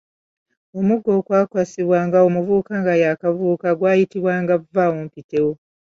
Omuggo ogwakwasibwanga omuvubuka nga y’akavubuka guyitibwa vvawompitewo.